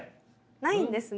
ないんですね。